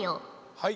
はい。